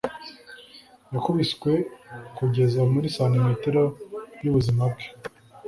Yakubiswe kugeza muri santimetero y'ubuzima bwe.